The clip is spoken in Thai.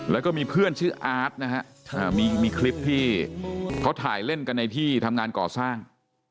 แล้วก็มีเพื่อนชื่ออาร์ตนะฮะมีคลิปที่เขาถ่ายเล่นกันในที่ทำงานก่อสร้าง